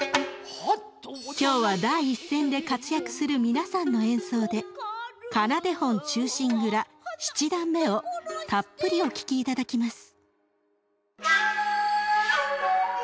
今日は第一線で活躍する皆さんの演奏で「仮名手本忠臣蔵七段目」をたっぷりお聴きいただきます！